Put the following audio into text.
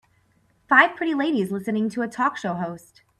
five pretty ladies listening to a talk show host.